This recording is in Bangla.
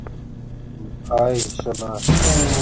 বাই, সোনা।